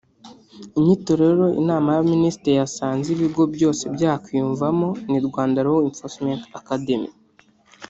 Inyito rero inama y’abaminisitiri yasanze ibigo byose byakwiyumvamo ni Rwanda Law Enforcement Academy